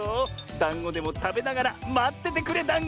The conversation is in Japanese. だんごでもたべながらまっててくれだんご！